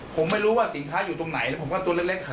ผมไม่รู้ว่าสินค้าอยู่ตรงไหนแล้วผมก็ตัวเล็ก